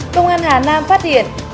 công an hà nam phát hiện